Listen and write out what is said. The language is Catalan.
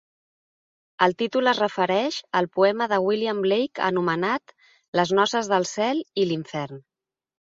El títol es refereix al poema de William Blake anomenat "Les noces del cel i l'infern".